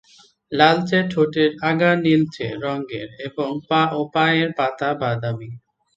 লালচে ঠোঁটের আগা নীলচে রঙের এবং পা ও পায়ের পাতা বাদামি।